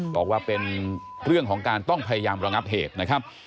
บอกว่าเป็นเรื่องของการต้องพยายามระงับเหตุนะครับ